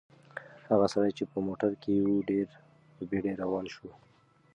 هغه سړی چې په موټر کې و ډېر په بیړه روان شو.